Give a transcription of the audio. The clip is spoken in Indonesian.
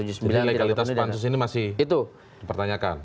jadi legalitas pansus ini masih dipertanyakan